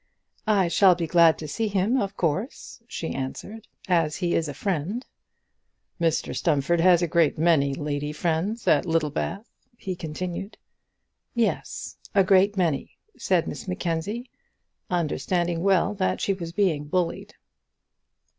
"I shall be glad to see him, of course," she answered, "as he is a friend." "Mr Stumfold has a great many lady friends at Littlebath," he continued. "Yes, a great many," said Miss Mackenzie, understanding well that she was being bullied.